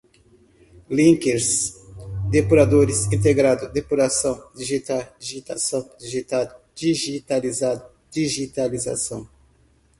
linkers, depuradores, integrado, depuração, digitar, digitação, digitado, digitalizado, digitalização